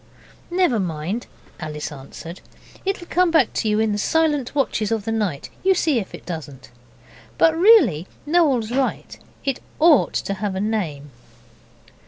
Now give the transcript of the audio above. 'Never mind,' Alice answered, 'it'll come back to you in the silent watches of the night; you see if it doesn't. But really, Noel's right, it OUGHT to have a name.